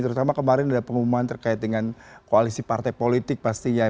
terutama kemarin ada pengumuman terkait dengan koalisi partai politik pastinya